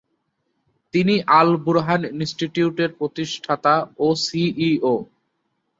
তিনি আল-বুরহান ইনস্টিটিউটের প্রতিষ্ঠাতা ও সিইও।